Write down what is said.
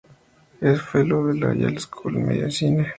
Es "fellow" de la "Yale School of Medicine".